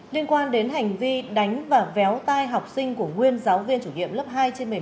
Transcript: liên quan đến hành vi đánh và véo tai học sinh của nguyên giáo viên chủ nhiệm lớp hai trên một mươi bảy